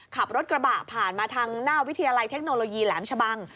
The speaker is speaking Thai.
ขับรถกระบะผ่านมาทางหน้าวิทยาลัยเทคโนโลยีแหลมชะบัง